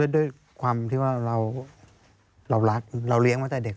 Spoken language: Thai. ด้วยความที่ว่าเรารักเราเลี้ยงมาแต่เด็ก